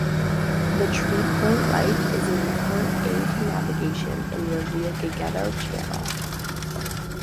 The Tree Point Light is an important aid-to-navigation in Revillagigedo Channel.